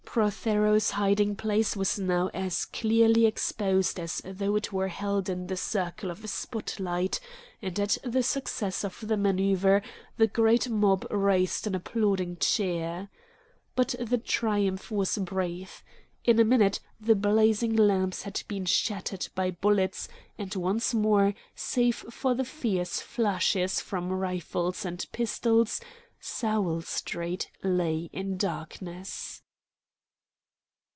Prothero's hiding place was now as clearly exposed as though it were held in the circle of a spot light, and at the success of the maneuver the great mob raised an applauding cheer. But the triumph was brief. In a minute the blazing lamps had been shattered by bullets, and once more, save for the fierce flashes from rifles and pistols, Sowell Street lay in darkness.